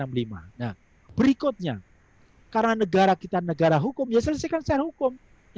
nah berikutnya karena negara kita negara hukum ya selesaikan secara hukum